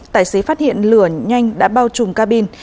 tài xế phát hiện lửa nhanh đã bao trùm cabin